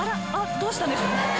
どうしたんでしょう？